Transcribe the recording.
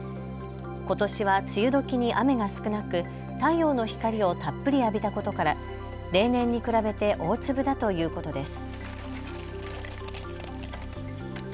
ことしは梅雨どきに雨が少なく太陽の光をたっぷり浴びたことから例年に比べて大粒だということです。